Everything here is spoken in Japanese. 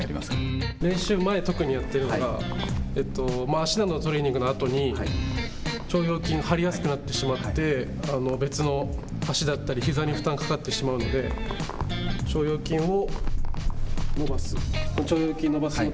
足などのトレーニングのあとに、腸腰筋、張りやすくなってしまって、別の足だったり、ひざに負担がかかってしまうので、腸腰筋を。